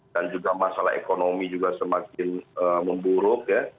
dan juga masalah ekonomi juga semakin memburuk